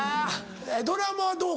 ドラマはどう？